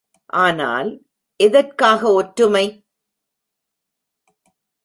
ஆனால், எதற்காக ஒற்றுமை?